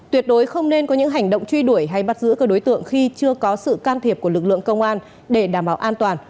tuyệt đối không nên có những hành động truy đuổi hay bắt giữ các đối tượng khi chưa có sự can thiệp của lực lượng công an để đảm bảo an toàn